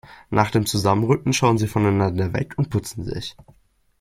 Nach dem Zusammenrücken schauen sie voneinander weg und putzen sich.